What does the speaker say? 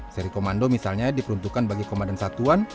seri komando misalnya diperuntukkan bagi komandan satuan